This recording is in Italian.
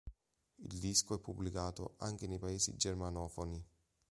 Il disco è pubblicato anche nei paesi germanofoni.